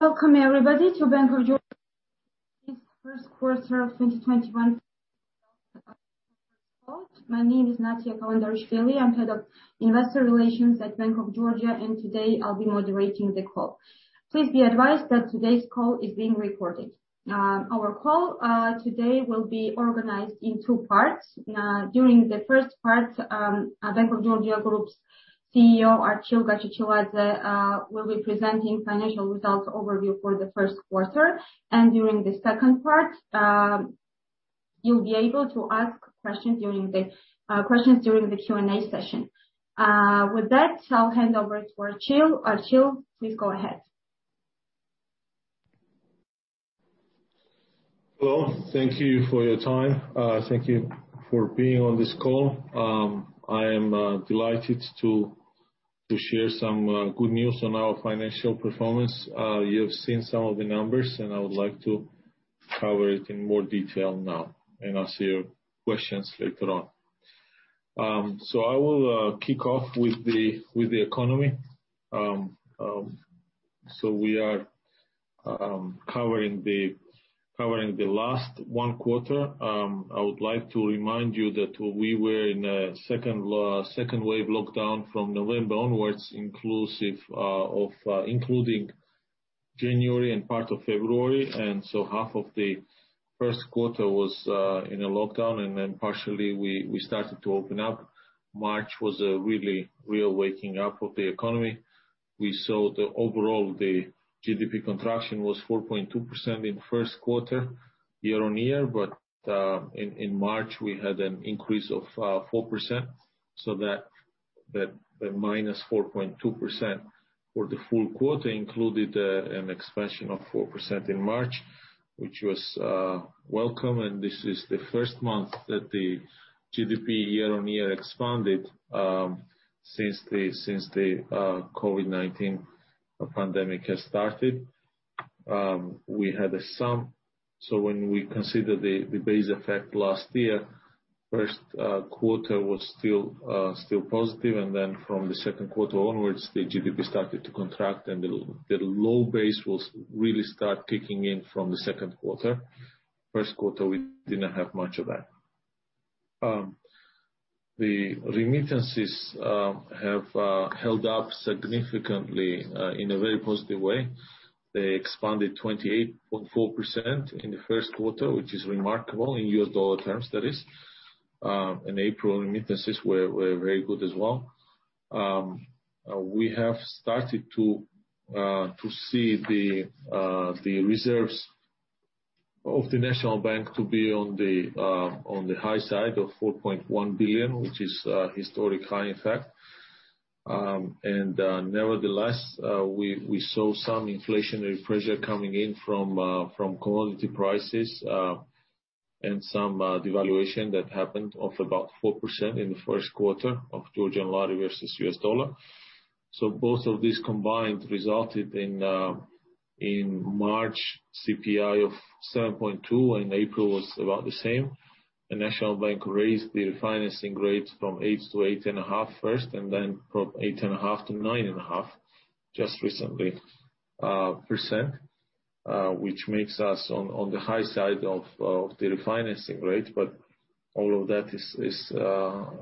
Welcome everybody to Bank of Georgia's first quarter of 2021 call. My name is Natia Kalandarishvili. I'm head of investor relations at Bank of Georgia, and today I'll be moderating the call. Please be advised that today's call is being recorded. Our call today will be organized in two parts. During the first part, Bank of Georgia Group's CEO, Archil Gachechiladze, will be presenting financial results overview for the first quarter. During the second part, you'll be able to ask questions during the Q&A session. With that, I'll hand over to Archil. Archil, please go ahead. Well, thank you for your time. Thank you for being on this call. I am delighted to share some good news on our financial performance. You have seen some of the numbers. I would like to cover it in more detail now. I'll see your questions later on. I will kick off with the economy. We are covering the last one quarter. I would like to remind you that we were in a second wave lockdown from November onwards, including January and part of February. Half of the first quarter was in a lockdown. Partially we started to open up. March was a really real waking up of the economy. We saw that overall, the GDP contraction was 4.2% in the first quarter year-on-year. In March, we had an increase of 4%. The minus 4.2% for the full quarter included an expansion of 4% in March, which was welcome. This is the first month that the GDP year-on-year expanded since the COVID-19 pandemic has started. When we consider the base effect last year, the first quarter was still positive. From the second quarter onwards, the GDP started to contract, and the low base will really start kicking in from the second quarter. First quarter, we didn't have much of that. The remittances have held up significantly in a very positive way. They expanded 28.4% in the first quarter, which is remarkable in US dollar terms, that is. April remittances were very good as well. We have started to see the reserves of the National Bank to be on the high side of $4.1 billion, which is a historic high, in fact. Nevertheless, we saw some inflationary pressure coming in from commodity prices, and some devaluation that happened of about 4% in the first quarter of Georgian lari versus US dollar. Both of these combined resulted in March CPI of 7.2%, and April was about the same. The National Bank raised the refinancing rates from 8% to 8.5% first, and then from 8.5% to 9.5% just recently, which makes us on the high side of the refinancing rate. All of that has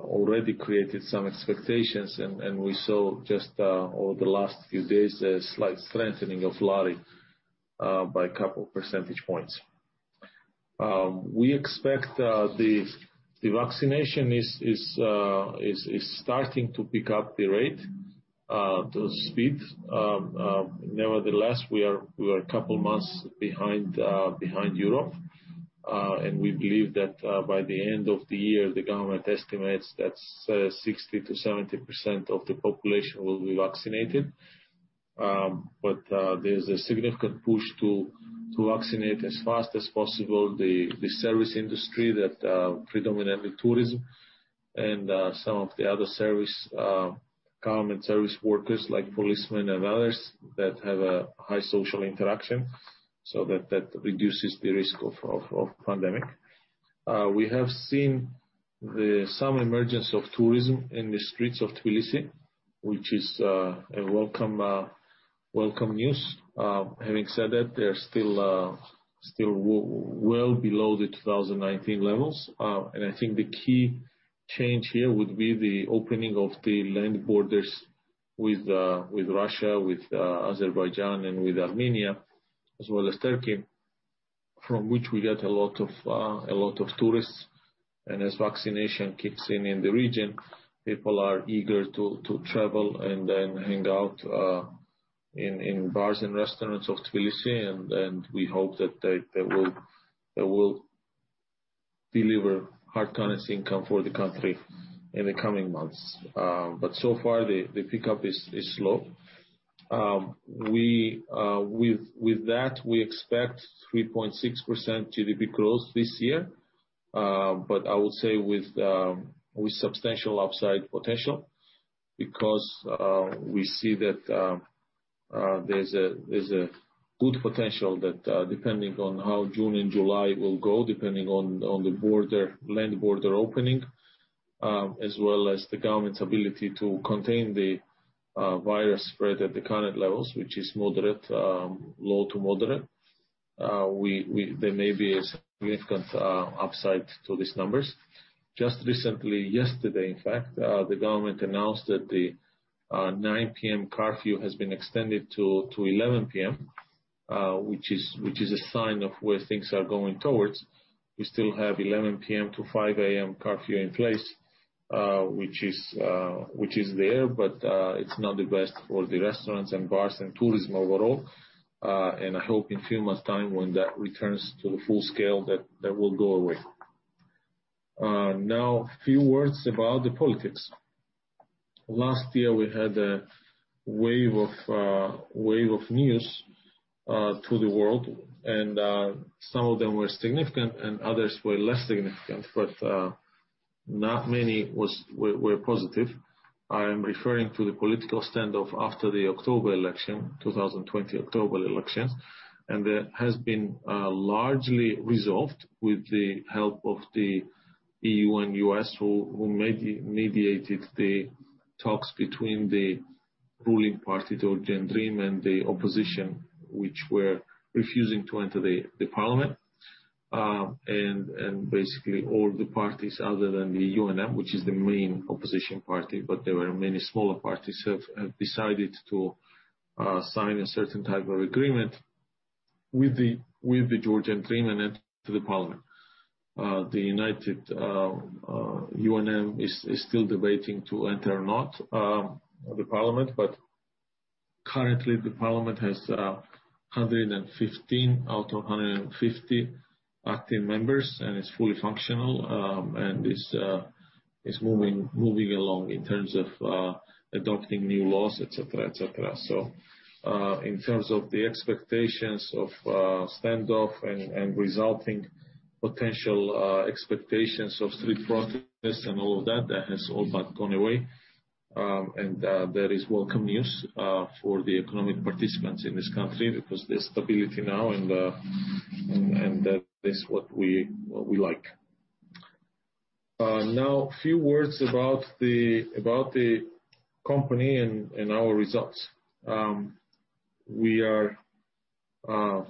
already created some expectations, and we saw just over the last few days a slight strengthening of lari, by a couple of percentage points. We expect the vaccination is starting to pick up the rate, the speed. Nevertheless, we are a couple of months behind Europe, and we believe that by the end of the year, the government estimates that 60%-70% of the population will be vaccinated. There's a significant push to vaccinate as fast as possible the service industry, predominantly tourism, and some of the other common service workers like policemen and others that have a high social interaction, so that reduces the risk of pandemic. We have seen some emergence of tourism in the streets of Tbilisi, which is welcome news. Having said that, they're still well below the 2019 levels. I think the key change here would be the opening of the land borders with Russia, with Azerbaijan, and with Armenia, as well as Turkey, from which we get a lot of tourists. As vaccination kicks in in the region, people are eager to travel and then hang out in bars and restaurants of Tbilisi, and we hope that that will deliver hard currency income for the country in the coming months. So far, the pickup is slow. With that, we expect 3.6% GDP growth this year. I would say with substantial upside potential because we see that there's a good potential that depending on how June and July will go, depending on the land border opening as well as the government's ability to contain the virus spread at the current levels, which is low to moderate. There may be a significant upside to these numbers. Just recently, yesterday in fact, the government announced that the 9:00 P.M. curfew has been extended to 11:00 P.M., which is a sign of where things are going towards. We still have 11:00 P.M. to 5:00 A.M. curfew in place, which is there, but it's not the best for the restaurants and bars and tourism overall. I hope in few months' time when that returns to the full scale, that will go away. Now, a few words about the politics. Last year, we had a wave of news to the world, some of them were significant and others were less significant, not many were positive. I am referring to the political standoff after the October election, 2020 October elections, that has been largely resolved with the help of the EU and U.S., who mediated the talks between the ruling party, Georgian Dream, and the opposition, which were refusing to enter the parliament. Basically all the parties other than the UNM, which is the main opposition party, but there are many smaller parties, have decided to sign a certain type of agreement with the Georgian Dream and enter the parliament. The UNM is still debating to enter or not the parliament, but currently the parliament has 115 out of 150 active members and is fully functional, and is moving along in terms of adopting new laws, et cetera. In terms of the expectations of standoff and resulting potential expectations of street protests and all of that has all but gone away. That is welcome news for the economic participants in this country because there's stability now, and that is what we like. A few words about the company and our results. We are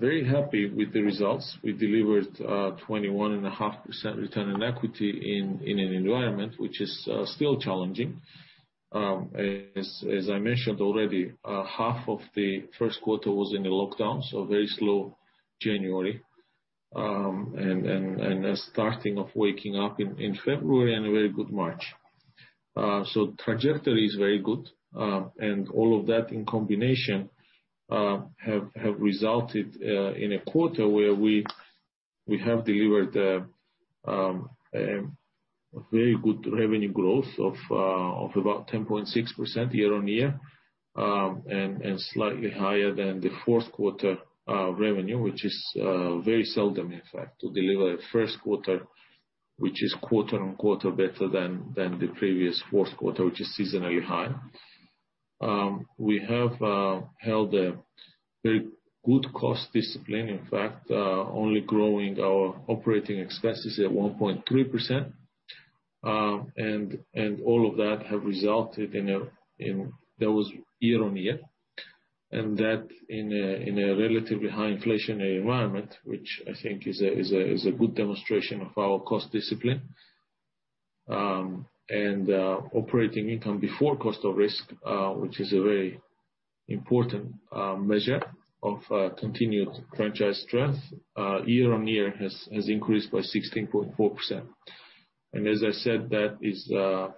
very happy with the results. We delivered 21.5% return on equity in an environment which is still challenging. As I mentioned already, half of the first quarter was in a lockdown, so very slow January, and a starting of waking up in February and a very good March. The trajectory is very good, and all of that in combination have resulted in a quarter where we have delivered a very good revenue growth of about 10.6% year-on-year, and slightly higher than the fourth quarter revenue, which is very seldom, in fact, to deliver a first quarter, which is quarter-on-quarter better than the previous fourth quarter, which is seasonally high. We have held a very good cost discipline, in fact, only growing our operating expenses at 1.3%. All of that have resulted in, that was year-on-year, and that in a relatively high inflationary environment, which I think is a good demonstration of our cost discipline. Operating income before cost of risk, which is a very important measure of continued franchise strength, year-on-year has increased by 16.4%. As I said, that is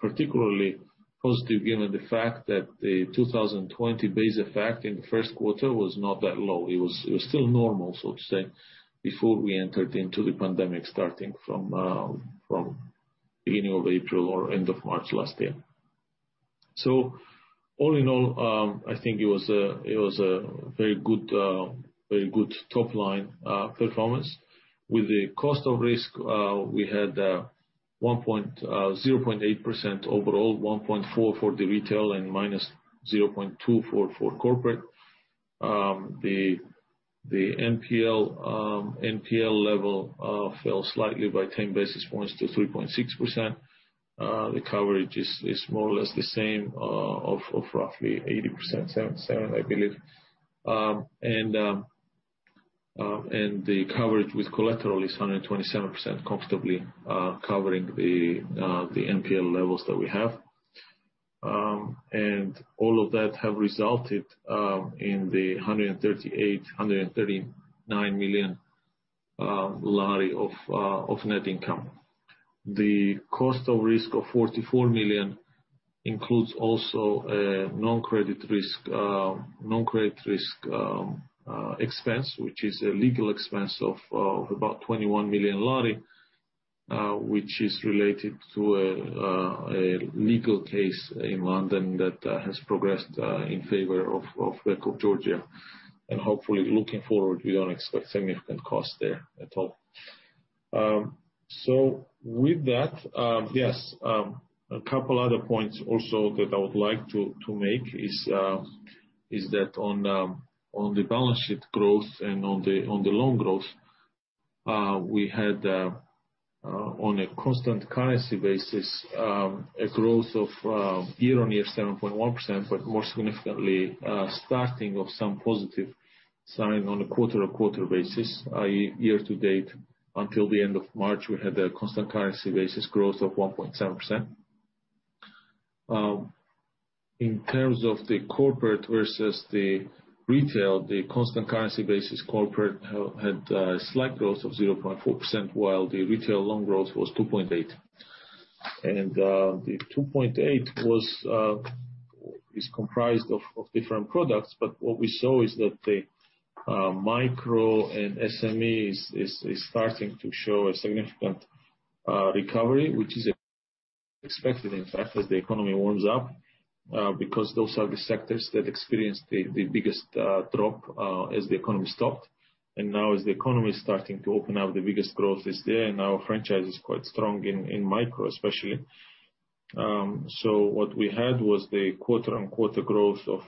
particularly positive given the fact that the 2020 base effect in the first quarter was not that low. It was still normal, so to say, before we entered into the pandemic, starting from beginning of April or end of March last year. All in all, I think it was a very good top-line performance. With the cost of risk, we had 0.8% overall, 1.4 for the retail and minus 0.2 for corporate. The NPL level fell slightly by 10 basis points to 3.6%. The coverage is more or less the same of roughly 87%, I believe. And the coverage with collateral is 127%, comfortably covering the NPL levels that we have. All of that have resulted in the GEL 138 million-139 million of net income. The cost of risk of GEL 44 million includes also a non-credit risk expense, which is a legal expense of about GEL 21 million, which is related to a legal case in London that has progressed in favor of Bank of Georgia. Hopefully, looking forward, we don't expect significant cost there at all. With that, yes, a couple other points also that I would like to make is that on the balance sheet growth and on the loan growth, we had, on a constant currency basis, a growth of year-on-year 7.1%, but more significantly, starting of some positive sign on a quarter-on-quarter basis, i.e., year to date, until the end of March, we had a constant currency basis growth of 1.7%. In terms of the corporate versus the retail, the constant currency basis corporate had a slight growth of 0.4%, while the retail loan growth was 2.8. The 2.8 is comprised of different products, but what we saw is that the micro and SMEs is starting to show a significant recovery, which is expected, in fact, as the economy warms up, because those are the sectors that experienced the biggest drop as the economy stopped. Now as the economy is starting to open up, the biggest growth is there, and our franchise is quite strong in micro, especially. What we had was the quarter-on-quarter growth of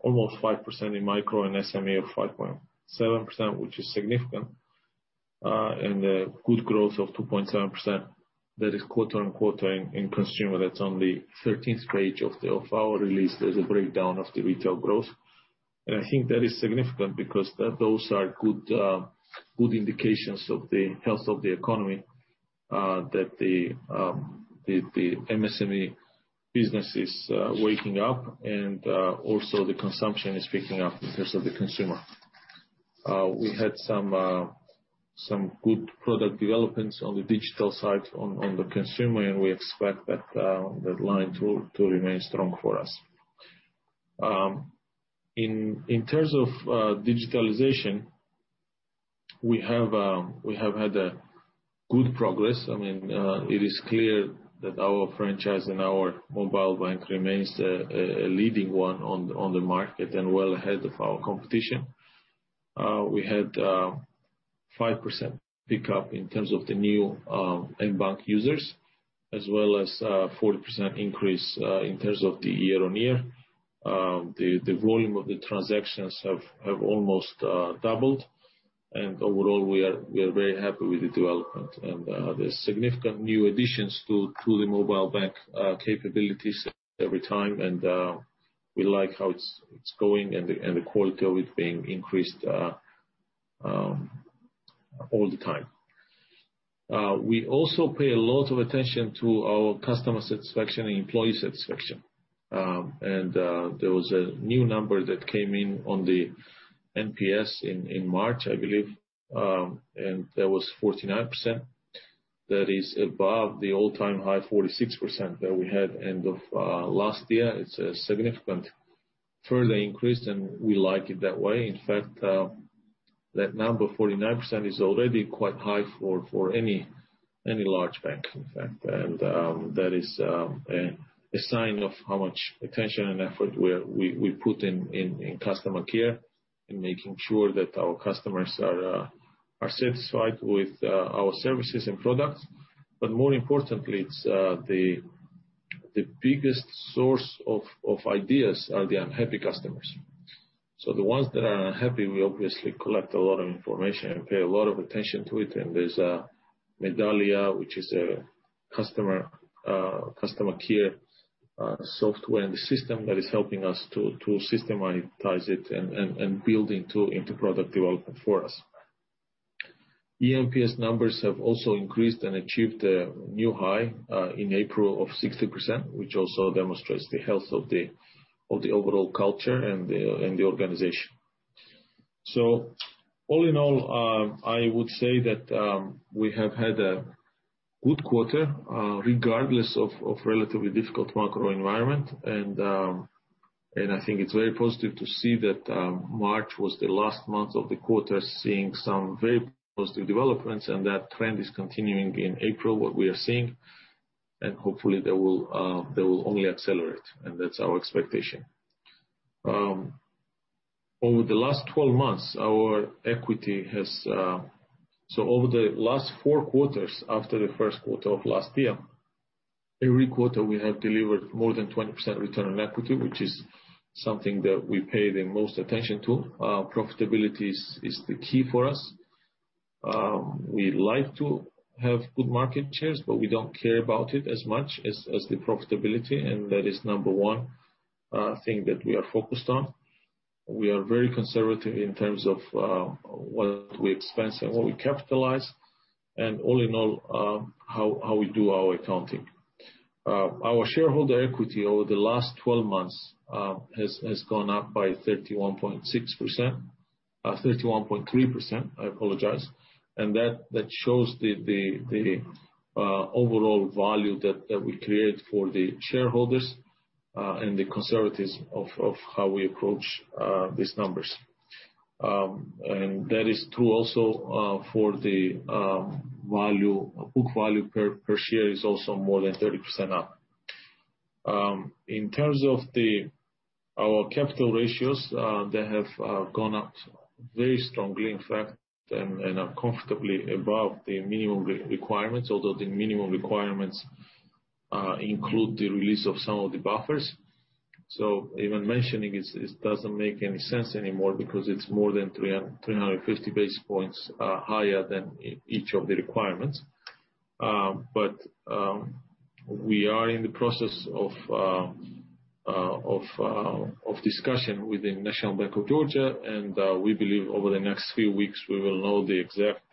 almost 5% in micro and SME of 5.7%, which is significant, and a good growth of 2.7% that is quarter-on-quarter in consumer. That's on the 13th page of our release, there is a breakdown of the retail growth. I think that is significant because those are good indications of the health of the economy, that the MSME business is waking up and also the consumption is picking up in terms of the consumer. We had some good product developments on the digital side on the consumer, and we expect that line to remain strong for us. In terms of digitalization, we have had good progress. It is clear that our franchise and our mobile Bank remains a leading one on the market and well ahead of our competition. We had 5% pickup in terms of the new mBank users, as well as a 40% increase in terms of the year-on-year. The volume of the transactions have almost doubled, and overall, we are very happy with the development. There's significant new additions to the mobile bank capabilities every time, and we like how it's going and the quality of it being increased all the time. We also pay a lot of attention to our customer satisfaction and employee satisfaction. There was a new number that came in on the NPS in March, I believe, and that was 49%. That is above the all-time high 46% that we had end of last year. It's a significant further increase, and we like it that way. In fact, that number, 49%, is already quite high for any large bank, in fact. That is a sign of how much attention and effort we put in customer care, in making sure that our customers are satisfied with our services and products. More importantly, the biggest source of ideas are the unhappy customers. The ones that are unhappy, we obviously collect a lot of information and pay a lot of attention to it, and there's Medallia, which is a customer care software and system that is helping us to systemize it and building into product development for us. ENPS numbers have also increased and achieved a new high in April of 60%, which also demonstrates the health of the overall culture and the organization. All in all, I would say that we have had a good quarter, regardless of relatively difficult macro environment, and I think it's very positive to see that March was the last month of the quarter, seeing some very positive developments, and that trend is continuing in April, what we are seeing, and hopefully, they will only accelerate, and that's our expectation. Over the last four quarters, after the first quarter of last year, every quarter we have delivered more than 20% return on equity, which is something that we pay the most attention to. Profitability is the key for us. We like to have good market shares, we don't care about it as much as the profitability, and that is number one thing that we are focused on. We are very conservative in terms of what we expense and what we capitalize, and all in all, how we do our accounting. Our shareholder equity over the last 12 months has gone up by 31.6%, 31.3%, I apologize, and that shows the overall value that we create for the shareholders and the conservatism of how we approach these numbers. That is true also for the book value per share is also more than 30% up. In terms of our capital ratios, they have gone up very strongly, in fact, and are comfortably above the minimum requirements, although the minimum requirements include the release of some of the buffers. Even mentioning it doesn't make any sense anymore because it's more than 350 basis points higher than each of the requirements. We are in the process of discussion with the National Bank of Georgia, and we believe over the next few weeks, we will know the exact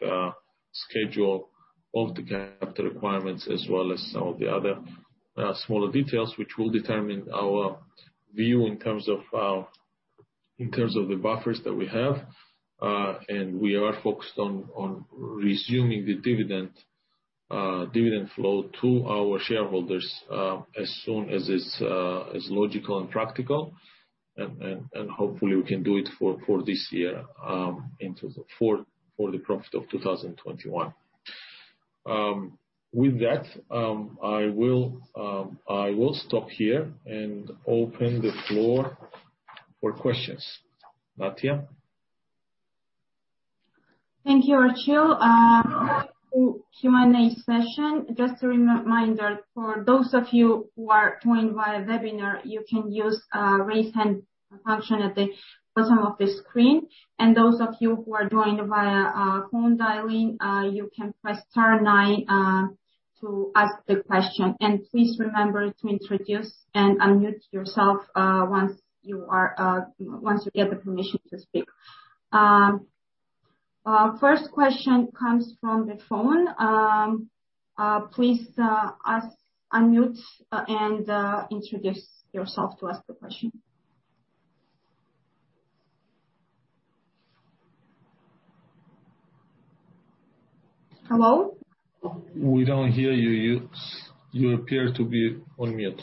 schedule of the capital requirements, as well as some of the other smaller details, which will determine our view in terms of the buffers that we have. We are focused on resuming the dividend flow to our shareholders as soon as it's logical and practical. Hopefully, we can do it for this year, for the profit of 2021. With that, I will stop here and open the floor for questions. Natia? Thank you, Archil. Welcome to Q&A session. Just a reminder, for those of you who are joined via webinar, you can use raise hand function at the bottom of the screen, and those of you who are joining via phone dialing, you can press star nine to ask the question. Please remember to introduce and unmute yourself once you get the permission to speak. First question comes from the phone. Please unmute and introduce yourself to ask the question. Hello? We don't hear you. You appear to be on mute.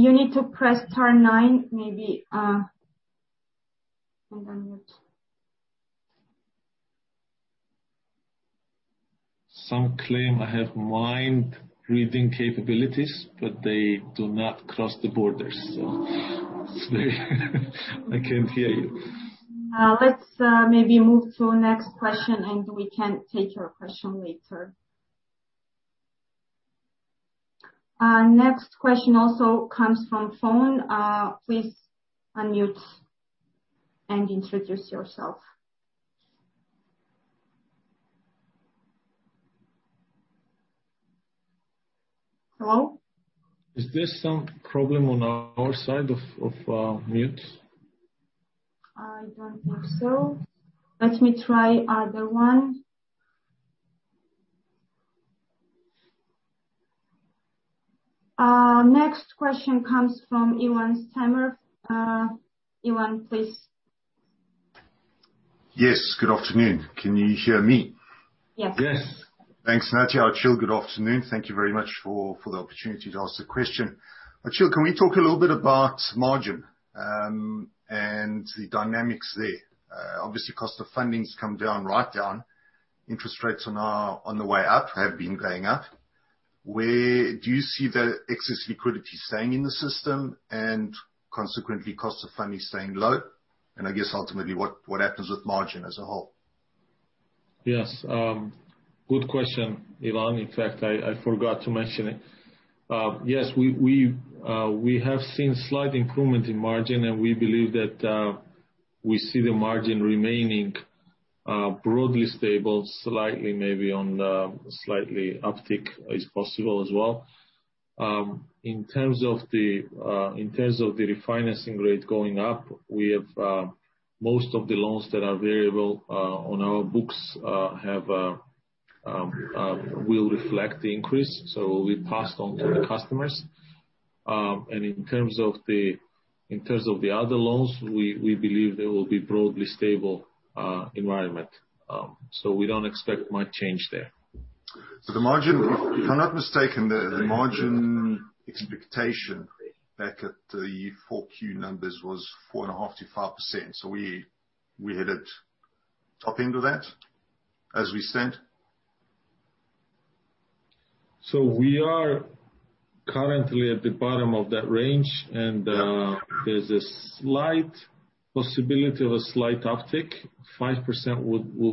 You need to press star nine, maybe. You're on mute. Some claim I have mind-reading capabilities, but they do not cross the borders, so I can't hear you. Let's maybe move to the next question, and we can take your question later. Next question also comes from phone. Please unmute and introduce yourself. Hello? Is this some problem on our side of mutes? I don't know. Let me try other one. Next question comes from Elon Samer. Elon, please. Yes, good afternoon. Can you hear me? Yes. Yes. Thanks, Natia. Archil, good afternoon. Thank you very much for the opportunity to ask the question. Archil, can we talk a little bit about margin and the dynamics there? Obviously, cost of funding's come down, right down. Interest rates on the way up, have been going up. Where do you see the excess liquidity staying in the system and consequently, cost of funding staying low? I guess ultimately, what happens with margin as a whole? Yes. Good question, Elon. In fact, I forgot to mention it. Yes, we have seen slight improvement in margin, and we believe that we see the margin remaining broadly stable, slightly maybe on the slightly uptick is possible as well. In terms of the refinancing rate going up, most of the loans that are variable on our books will reflect the increase, so will be passed on to the customers. In terms of the other loans, we believe they will be broadly stable environment. We don't expect much change there. If I'm not mistaken, the margin expectation back at the 4Q numbers was 4.5% to 5%. We hit it top end of that, as we said? We are currently at the bottom of that range, and there's a slight possibility of a slight uptick. 5%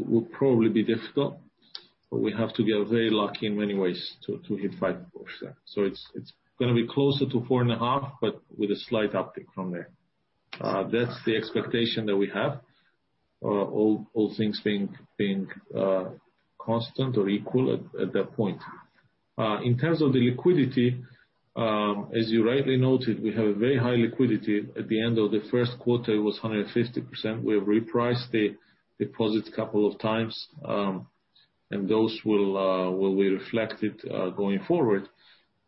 would probably be difficult, but we have to get very lucky in many ways to hit 5%. It's going to be closer to 4.5%, but with a slight uptick from there. That's the expectation that we have, all things being constant or equal at that point. In terms of the liquidity, as you rightly noted, we have very high liquidity. At the end of the first quarter, it was 150%. We have repriced the deposits a couple of times, and those will be reflected going forward.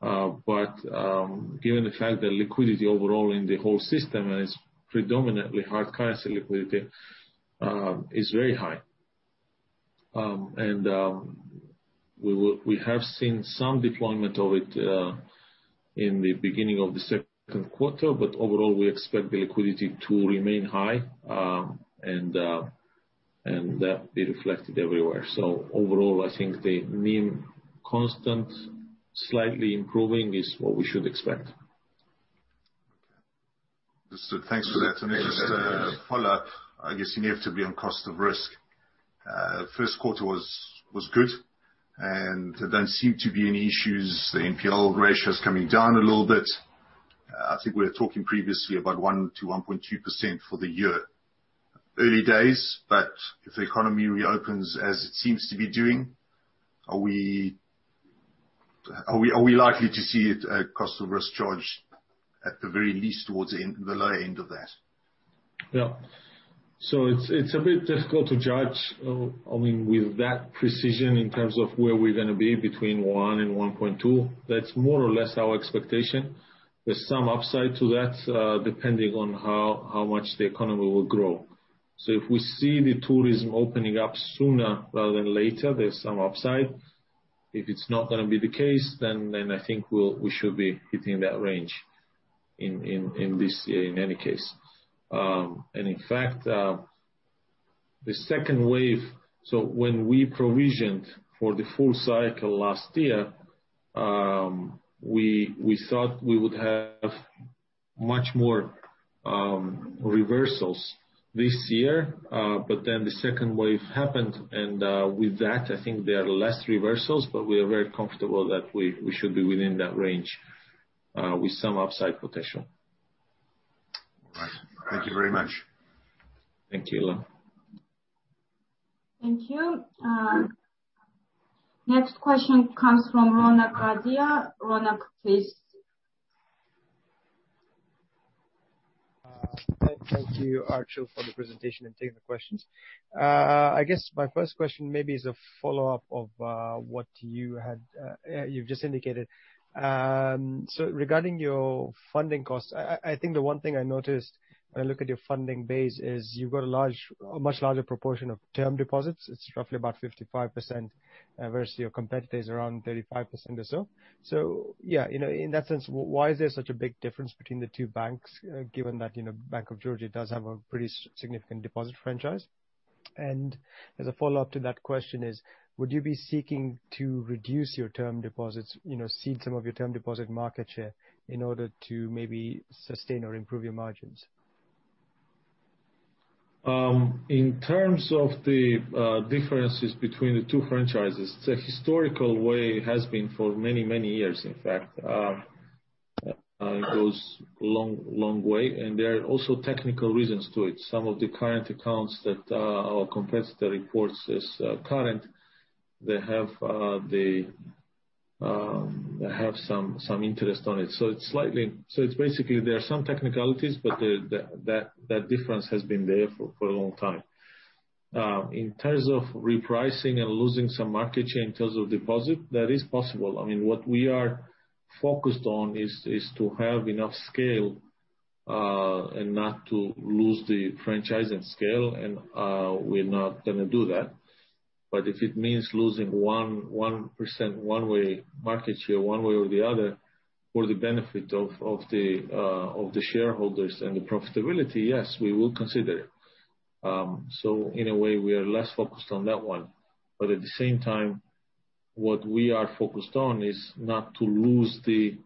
Given the fact that liquidity overall in the whole system is predominantly hard currency liquidity is very high. We have seen some deployment of it in the beginning of the second quarter. Overall, we expect the liquidity to remain high, and that be reflected everywhere. Overall, I think the mean constant slightly improving is what we should expect. Thanks for that. Just a follow-up, I guess you need to be on cost of risk. First quarter was good, and there don't seem to be any issues. The NPL ratio is coming down a little bit. I think we were talking previously about 1%-1.2% for the year. Early days, but if the economy reopens as it seems to be doing, are we likely to see a cost of risk charge at the very least towards the low end of that? It's a bit difficult to judge with that precision in terms of where we're going to be between 1 and 1.2. That's more or less our expectation. There's some upside to that, depending on how much the economy will grow. If we see the tourism opening up sooner rather than later, there's some upside. If it's not going to be the case, I think we should be hitting that range in this year in any case. In fact, the second wave, when we provisioned for the full cycle last year, we thought we would have much more reversals this year. The second wave happened, with that, I think there are less reversals, we are very comfortable that we should be within that range, with some upside potential. All right. Thank you very much. Thank you. Thank you. Next question comes from Ronak Gadhia. Ronak, please. Thank you, Archil, for the presentation and taking the questions. I guess my first question maybe is a follow-up of what you've just indicated. Regarding your funding costs, I think the one thing I noticed when I look at your funding base is you've got a much larger proportion of term deposits. It's roughly about 55%, whereas your competitor is around 35% or so. Yeah, in that sense, why is there such a big difference between the two banks, given that Bank of Georgia does have a pretty significant deposit franchise? As a follow-up to that question is, would you be seeking to reduce your term deposits, seed some of your term deposit market share in order to maybe sustain or improve your margins? In terms of the differences between the two franchises, the historical way has been for many, many years, in fact, goes a long way, and there are also technical reasons to it. Some of the current accounts that our competitor reports as current, they have some interest on it. It's basically, there are some technicalities, but that difference has been there for a long time. In terms of repricing and losing some market share in terms of deposit, that is possible. What we are focused on is to have enough scale, and not to lose the franchise and scale, and we're not going to do that. If it means losing 1% one way, market share one way or the other, for the benefit of the shareholders and the profitability, yes, we will consider it. In a way, we are less focused on that one. At the same time, what we are focused on is not to lose the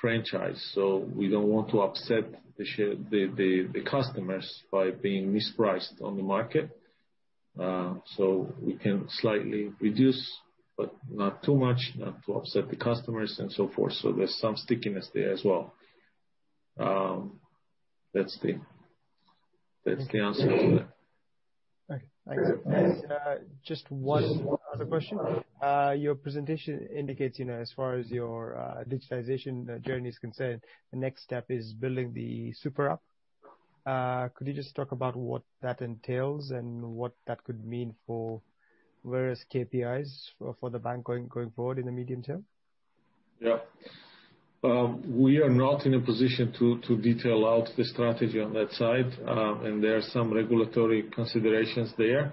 franchise. We don't want to upset the customers by being mispriced on the market. We can slightly reduce, but not too much not to upset the customers and so forth. There's some stickiness there as well. That's the answer to that. Okay. Just one other question. Your presentation indicates as far as your digitization journey is concerned, the next step is building the super app. Could you just talk about what that entails and what that could mean for various KPIs for the bank going forward in the medium term? Yeah. We are not in a position to detail out the strategy on that side, and there are some regulatory considerations there.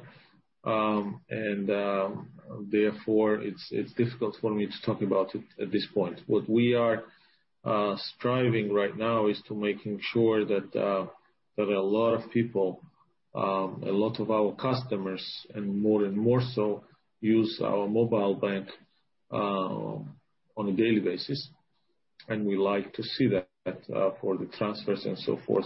Therefore, it's difficult for me to talk about it at this point. What we are striving right now is to making sure that a lot of people, a lot of our customers, and more and more so, use our mobile bank, on a daily basis. We like to see that for the transfers and so forth.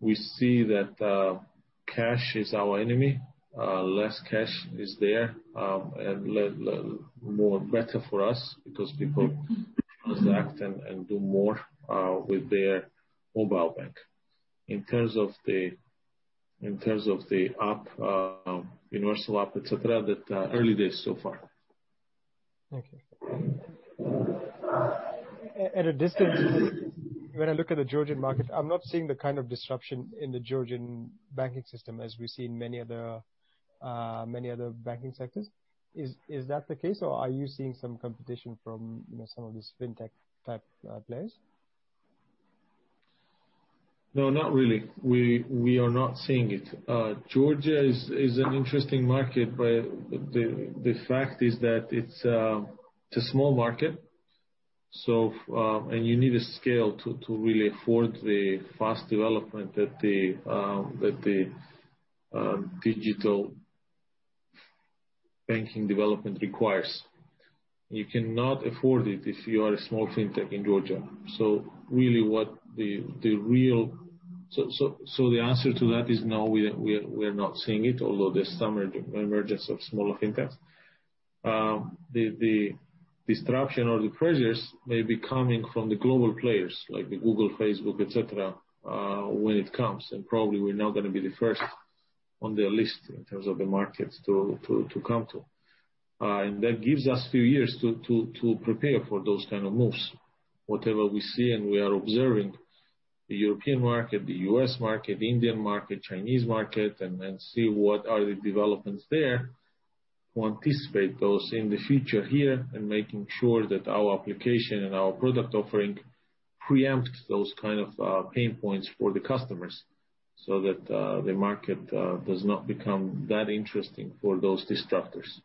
We see that cash is our enemy. Less cash is there, and more better for us because people transact and do more with their mobile bank. In terms of the super app, et cetera, early days so far. At a distance, when I look at the Georgian market, I'm not seeing the kind of disruption in the Georgian banking system as we see in many other banking sectors. Is that the case, or are you seeing some competition from some of these fintech type players? No, not really. We are not seeing it. Georgia is an interesting market, but the fact is that it's a small market, and you need a scale to really afford the fast development that the digital banking development requires. You cannot afford it if you are a small fintech in Georgia. The answer to that is now we're not seeing it, although there's some emergence of smaller fintechs. The disruption or the pressures may be coming from the global players like Google, Facebook, et cetera, when it comes, and probably we're not going to be the first on their list in terms of the markets to come to. That gives us a few years to prepare for those kind of moves. Whatever we see, and we are observing the European market, the U.S. market, Indian market, Chinese market, and see what are the developments there, to anticipate those in the future here, and making sure that our application and our product offering preempts those kind of pain points for the customers so that the market does not become that interesting for those disruptors. Thank you.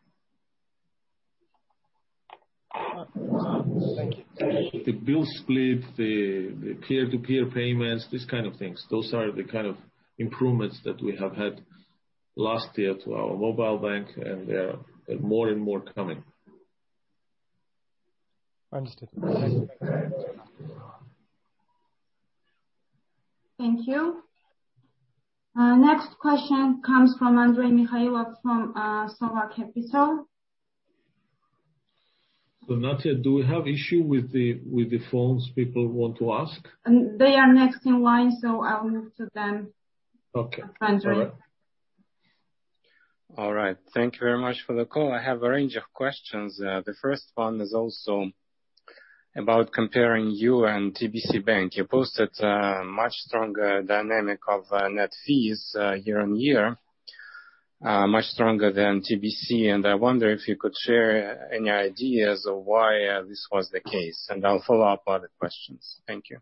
The bill split, the peer to peer payments, these kind of things. Those are the kind of improvements that we have had last year to our mobile bank, and more and more coming. Understood. Thank you. Next question comes from Andrei Mihailov from Sova Capital. Natia, do we have issue with the phones, people who want to ask? They are next in line, so I will move to them. Okay. All right. All right. Thank you very much for the call. I have a range of questions. The first one is also about comparing you and TBC Bank. You posted a much stronger dynamic of net fees year-on-year, much stronger than TBC, and I wonder if you could share any ideas of why this was the case, and I'll follow up on other questions. Thank you.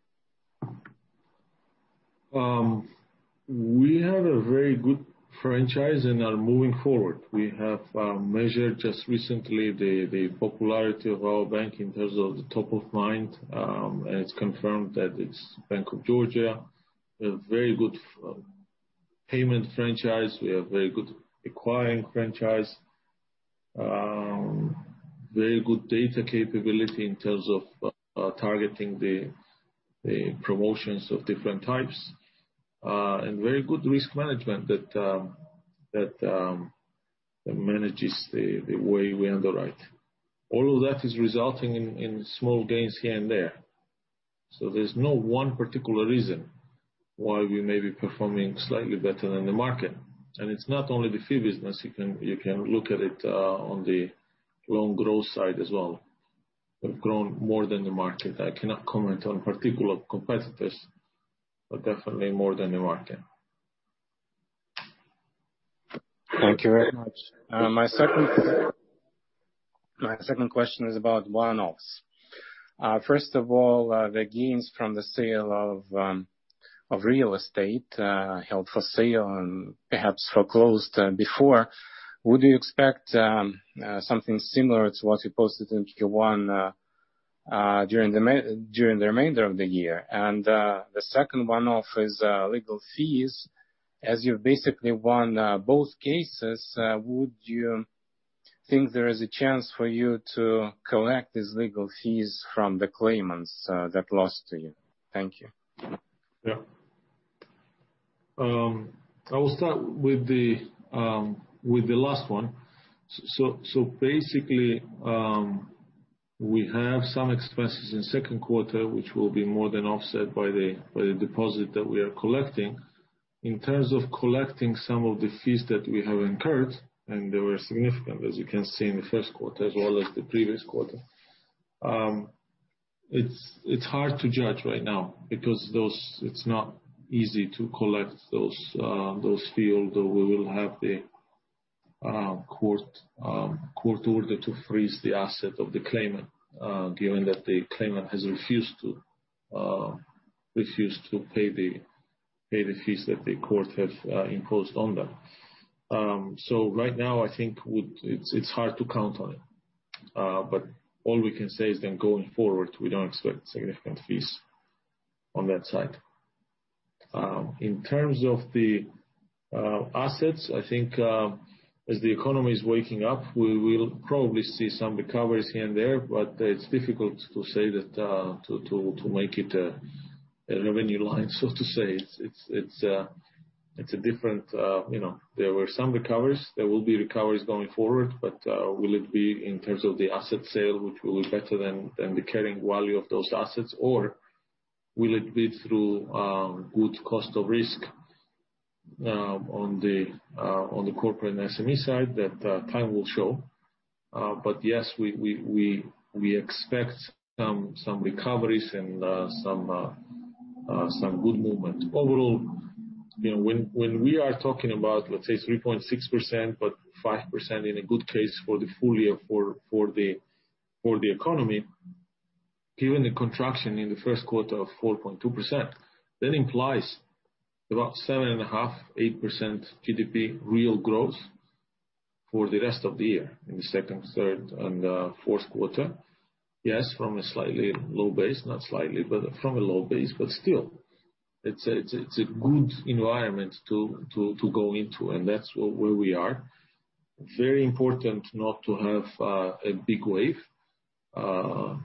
We had a very good franchise and are moving forward. We have measured just recently the popularity of our bank in terms of the top of mind, and it's confirmed that it's Bank of Georgia. We have very good payment franchise. We have very good acquiring franchise, very good data capability in terms of targeting the promotions of different types, and very good risk management that manages the way we underwrite. All of that is resulting in small gains here and there. There's no one particular reason why we may be performing slightly better than the market. It's not only the fee business. You can look at it on the loan growth side as well. We've grown more than the market. I cannot comment on particular competitors, but definitely more than the market. Thank you very much. My second question is about one-offs. First of all, the gains from the sale of real estate held for sale and perhaps foreclosed before. Would you expect something similar to what you posted in Q1 during the remainder of the year? The second one-off is legal fees. As you basically won both cases, would you think there is a chance for you to collect these legal fees from the claimants that lost to you? Thank you. Yeah. I will start with the last one. Basically, we have some expenses in second quarter, which will be more than offset by the deposit that we are collecting. In terms of collecting some of the fees that we have incurred, and they were significant, as you can see in the first quarter as well as the previous quarter, it's hard to judge right now because it's not easy to collect those fees, although we will have the court order to freeze the asset of the claimant, given that the claimant has refused to pay the fees that the court has imposed on them. Right now, I think it's hard to count on it. All we can say is that going forward, we don't expect significant fees on that side. In terms of the assets, I think as the economy is waking up, we will probably see some recoveries here and there, but it's difficult to make it a revenue line, so to say. There were some recoveries. There will be recoveries going forward, but will it be in terms of the asset sale, which will look better than the carrying value of those assets? Will it be through good cost of risk on the corporate and SME side? That time will show. Yes, we expect some recoveries and some good movement overall. When we are talking about, let's say, 3.6%, but 5% in a good case for the full year for the economy, given the contraction in the first quarter of 4.2%, that implies about 7.5%, 8% GDP real growth for the rest of the year, in the second, third, and fourth quarter. Yes, from a slightly low base, not slightly, but from a low base, but still. It's a good environment to go into, and that's where we are. Very important not to have a big wave of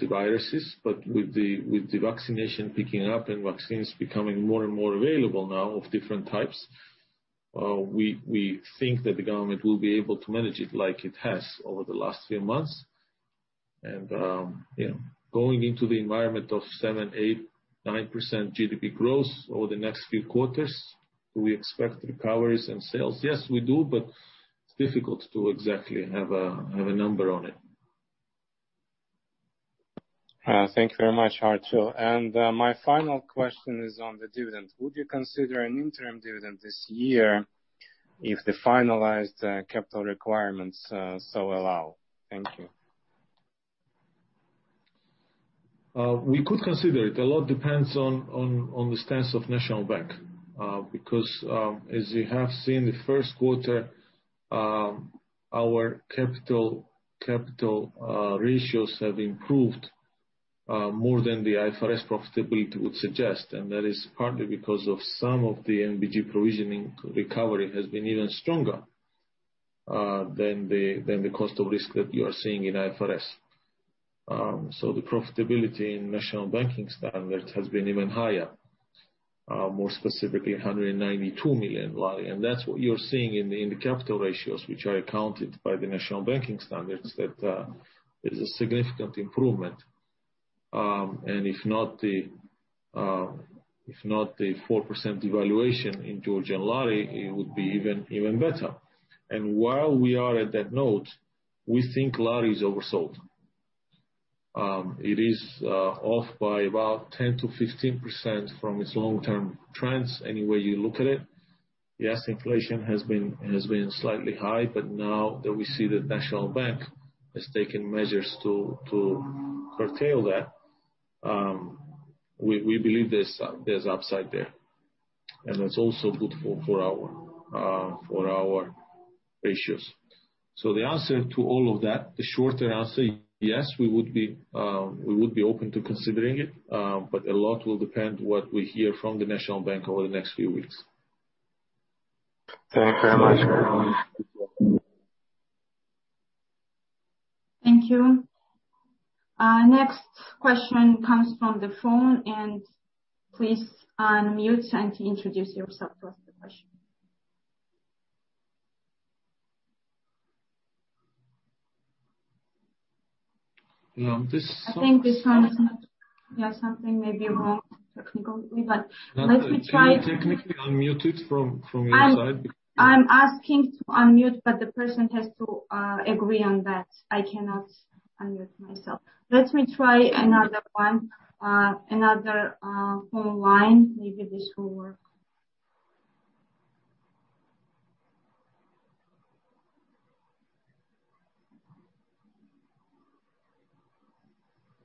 the viruses, but with the vaccination picking up and vaccines becoming more and more available now of different types, we think that the government will be able to manage it like it has over the last few months. Going into the environment of 7%, 8%, 9% GDP growth over the next few quarters, do we expect recoveries in sales? Yes, we do, but it's difficult to exactly have a number on it. Thank you very much, Archil. My final question is on the dividend. Would you consider an interim dividend this year if the finalized capital requirements so allow? Thank you. We could consider it. A lot depends on the stance of National Bank. As you have seen, the first quarter, our capital ratios have improved more than the IFRS profitability would suggest, and that is partly because of some of the NBG provisioning recovery has been even stronger than the cost of risk that you are seeing in IFRS. The profitability in national banking standards has been even higher, more specifically GEL 192 million, and that's what you're seeing in the capital ratios, which are accounted by the national banking standards, that there's a significant improvement. If not the 4% devaluation in Georgian lari, it would be even better. While we are at that note, we think lari is oversold. It is off by about 10%-15% from its long-term trends, any way you look at it. Yes, inflation has been slightly high, but now that we see that National Bank has taken measures to curtail that, we believe there's upside there, and it's also good for our ratios. The answer to all of that, the shorter answer, yes, we would be open to considering it, but a lot will depend what we hear from the National Bank over the next few weeks. Thank you very much. Thank you. Next question comes from the phone. Please unmute and introduce yourself before the question. No. There's something maybe wrong, but let me try. Can you technically unmute it from your side? I'm asking to unmute, but the person has to agree on that. I cannot unmute myself. Let me try another one, another phone line. Maybe this will work.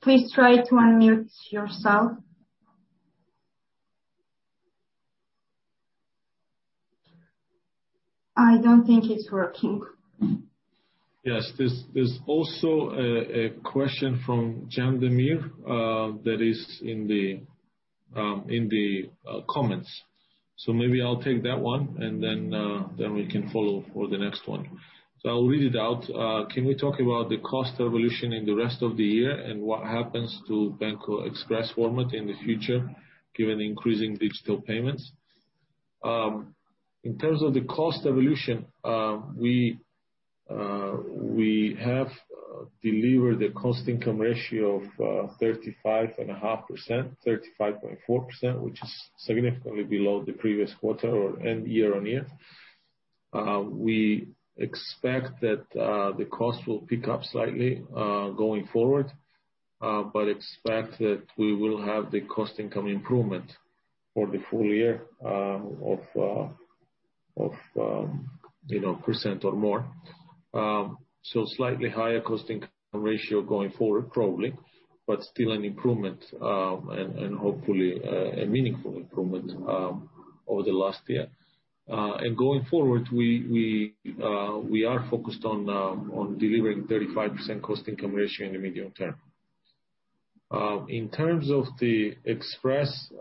Please try to unmute yourself. I don't think it's working. Yes. There's also a question from Can Ozguzel, that is in the comments. Maybe I'll take that one, and then we can follow for the next one. I'll read it out. Can we talk about the cost evolution in the rest of the year and what happens to Express format in the future, given increasing digital payments? In terms of the cost evolution, we have delivered a cost-income ratio of 35.5%, 35.4%, which is significantly below the previous quarter and year-on-year. We expect that the cost will pick up slightly, going forward, but expect that we will have the cost-income improvement for the full year of percent or more. Slightly higher cost-income ratio going forward, probably, but still an improvement, and hopefully a meaningful improvement, over the last year. Going forward, we are focused on delivering 35% cost-income ratio in the medium term. In terms of the Express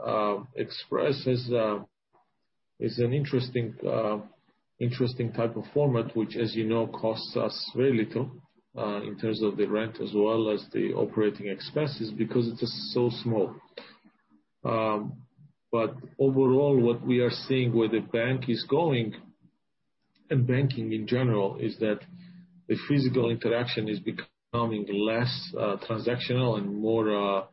is an interesting type of format, which as you know, costs us very little, in terms of the rent as well as the operating expenses, because it is so small. Overall, what we are seeing where the bank is going, and banking in general, is that the physical interaction is becoming less transactional and more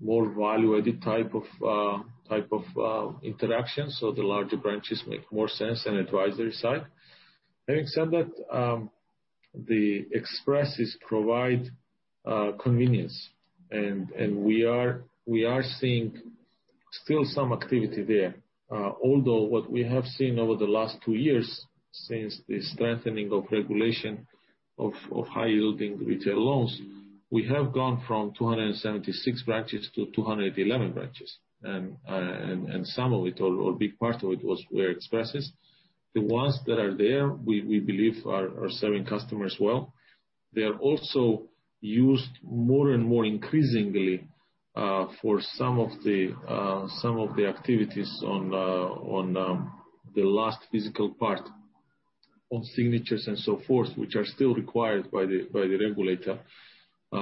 value-added type of interaction. The larger branches make more sense in advisory side. Having said that, the Expresses provide convenience, and we are seeing still some activity there. What we have seen over the last two years, since the strengthening of regulation of high-yielding retail loans, we have gone from 276 branches to 211 branches. Some of it, or a big part of it, was via Expresses. The ones that are there, we believe are serving customers well. They are also used more and more increasingly for some of the activities on the last physical part, on signatures and so forth, which are still required by the regulator. A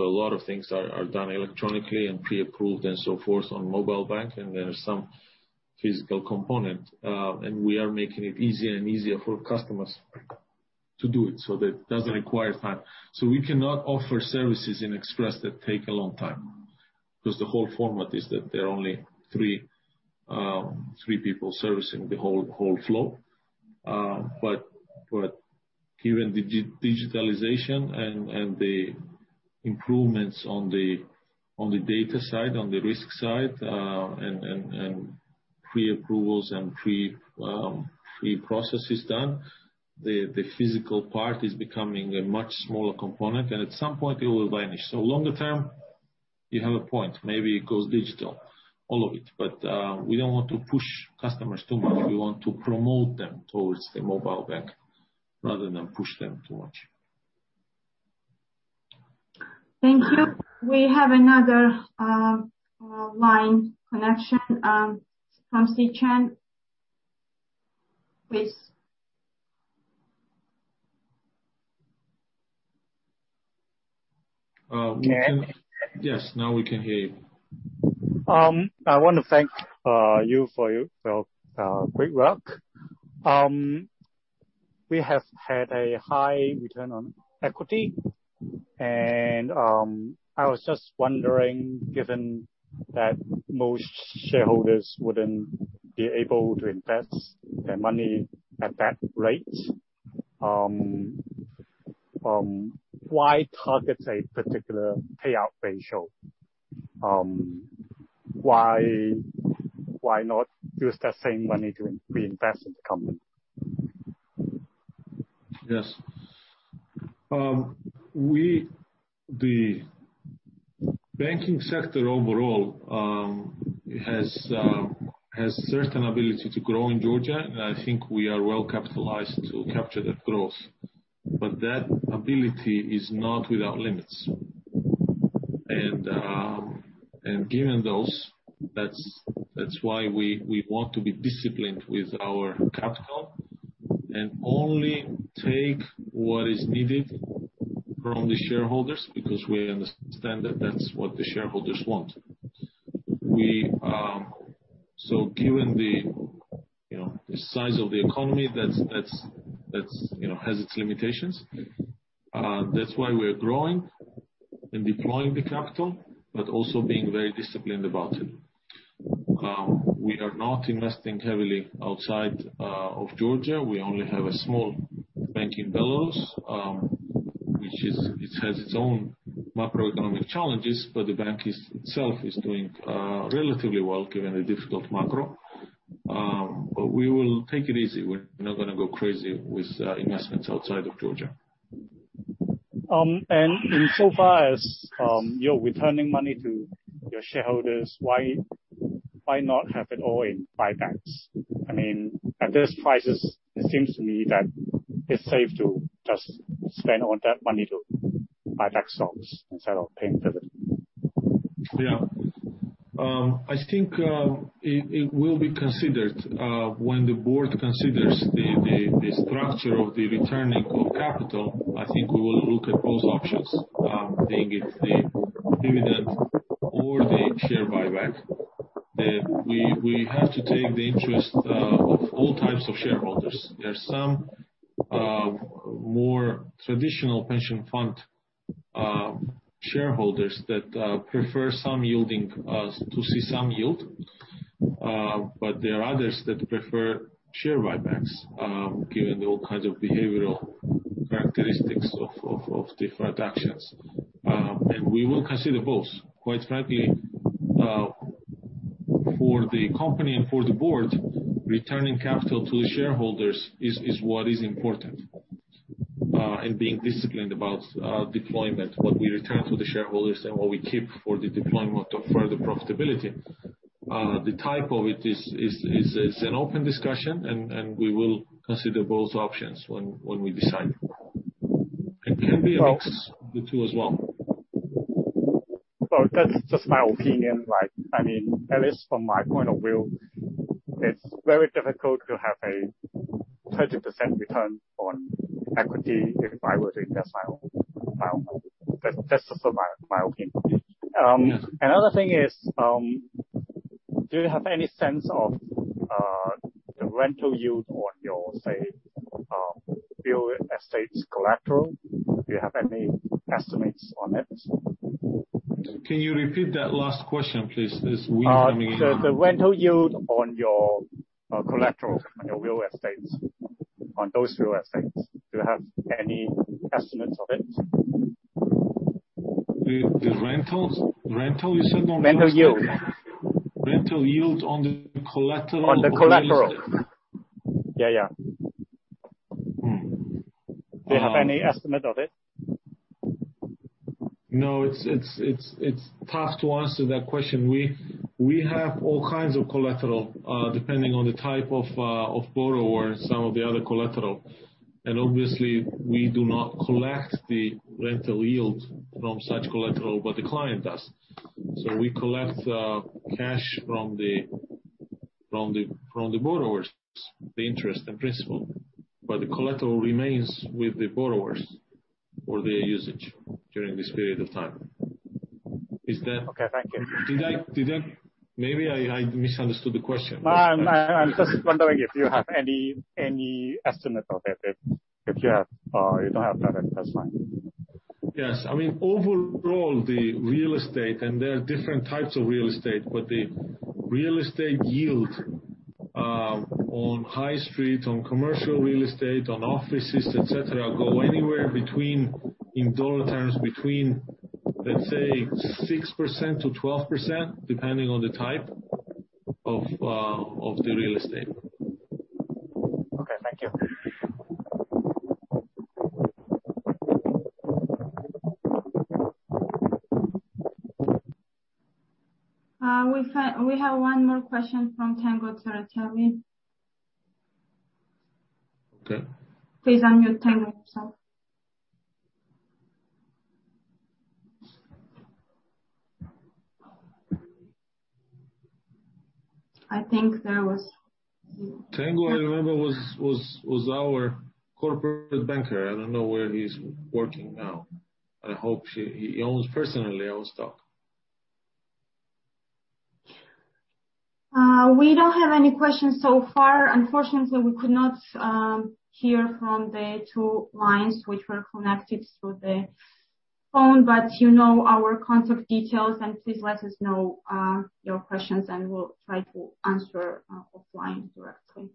lot of things are done electronically and pre-approved and so forth on mobile bank, and there are some physical component. We are making it easier and easier for customers to do it so that it doesn't require time. We cannot offer services in Express that take a long time, because the whole format is that there are only three people servicing the whole call flow. Given the digitalization and the improvements on the data side, on the risk side, and pre-approvals and pre-processes done, the physical part is becoming a much smaller component, and at some point it will vanish. Longer term, you have a point, maybe it goes digital, all of it. We don't want to push customers too much. We want to promote them towards the mobile bank rather than push them too much. Thank you. We have another line connection from Steven. Please. Yes, now we can hear you. I want to thank you for your great work. We have had a high return on equity, and I was just wondering, given that most shareholders wouldn't be able to invest their money at that rate, why target a particular payout ratio? Why not use that same money to reinvest in the company? Yes. The banking sector overall has certain ability to grow in Georgia, I think we are well-capitalized to capture that growth. That ability is not without limits. Given those, that's why we want to be disciplined with our capital and only take what is needed from the shareholders because we understand that that's what the shareholders want. Given the size of the economy that has its limitations, that's why we are growing and deploying the capital, but also being very disciplined about it. We are not investing heavily outside of Georgia. We only have a small bank in Belarus, which has its own macroeconomic challenges, but the bank itself is doing relatively well given the difficult macro. We will take it easy. We're not going to go crazy with investments outside of Georgia. Insofar as you're returning money to your shareholders, why not have it all in buybacks? I mean, at those prices, it seems to me that it's safe to just spend all that money to buy back stocks instead of paying dividend. Yeah. I think it will be considered. When the board considers the structure of the returning of capital, I think we will look at both options, be it the dividend or the share buyback. We have to take the interest of all types of shareholders. There are some more traditional pension fund shareholders that prefer to see some yield, but there are others that prefer share buybacks, given all kind of behavioral characteristics of different actions. We will consider both. Quite frankly, for the company and for the board, returning capital to the shareholders is what is important, and being disciplined about deployment, what we return to the shareholders and what we keep for the deployment of further profitability. The type of it is an open discussion, and we will consider both options when we decide. Maybe mix the two as well. That is just my opinion. At least from my point of view, it's very difficult to have a 30% return on equity if I were to invest my own. That's just my opinion. Another thing is, do you have any sense of the rental yield on your, say, real estate collateral? Do you have any estimates on it? Can you repeat that last question, please? The rental yield on your collateral, on your real estate, on those real estates. Do you have any estimates of it? The rental yield on what? Rental yield. Rental yield on the collateral. On the collateral. Yeah. Do you have any estimate of it? No, it's tough to answer that question. We have all kinds of collateral, depending on the type of borrower and some of the other collateral. Obviously, we do not collect the rental yield from such collateral, but the client does. We collect cash from the borrowers, the interest and principal, but the collateral remains with the borrowers for their usage during this period of time. Okay, thank you. Maybe I misunderstood the question. No, I'm just wondering if you have any estimate of it. If you have. You don't have that's fine. Yes. Overall, the real estate, and there are different types of real estate, but the real estate yield on high street, on commercial real estate, on offices, et cetera, go anywhere between, in dollar terms, between let's say 6%-12%, depending on the type of the real estate. Okay, thank you. We have one more question from Tango Trade. Tell me. Okay. Please unmute yourself. Tango was our corporate banker. I don't know where he's working now. I hope he owns personally our stock. We don't have any questions so far. Unfortunately, we could not hear from the two lines which were connected through the phone, but you know our contact details, and please let us know your questions, and we'll try to answer offline directly.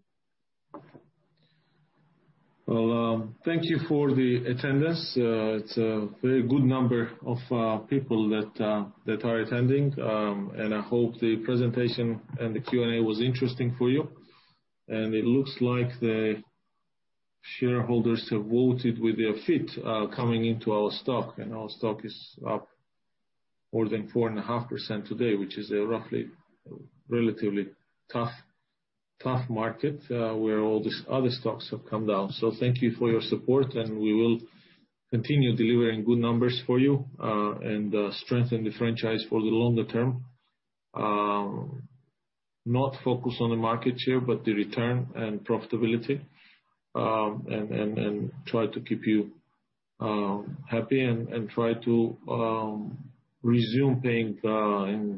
Well, thank you for the attendance. It's a very good number of people that are attending, and I hope the presentation and the Q&A was interesting for you. It looks like the shareholders have voted with their feet coming into our stock, and our stock is up more than 4.5% today, which is a roughly relatively tough market where all these other stocks have come down. Thank you for your support, and we will continue delivering good numbers for you and strengthen the franchise for the longer term. Not focus on the market share, but the return and profitability, and try to keep you happy and try to resume paying dividends